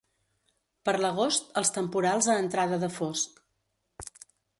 Per l'agost, els temporals a entrada de fosc.